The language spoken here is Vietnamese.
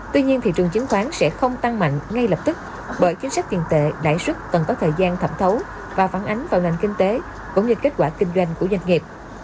tuy nhiên thị trường chứng khoán sẽ không tăng mạnh ngay lập tức bởi chính sách tiền tệ đại sức cần có thời gian thẩm thấu và phản ánh vào nền kinh tế cũng như kết quả kinh doanh của doanh nghiệp